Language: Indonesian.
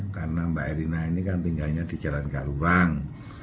karena mbak erina ini kan tinggalnya di jalan karurang